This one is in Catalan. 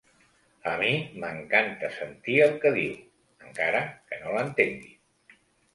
A mi m'encanta sentir el que diu, encara que no l'entengui.